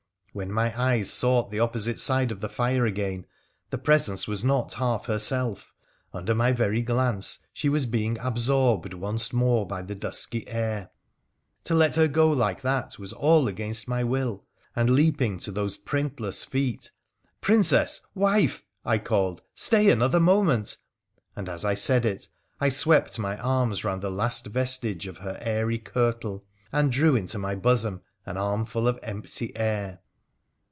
When my eyes sought the opposite side of the fire again the presence was not half herself: under my very glance she was being absorbed once more by the dusky air. To let her go like that was all against my will, and, leaping to those print less feet, ' Princess ! Wife !' I called, ' stay another moment !' and as I said it I swept my arms round the last vestige of her airy kirtle, and drew into my bosom an armful of empty air